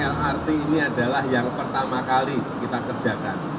lrt ini adalah yang pertama kali kita kerjakan